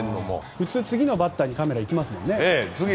普通、次のバッターにカメラいきますもんね。